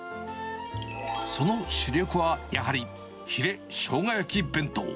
その主力は、やはりヒレしょうが焼き弁当。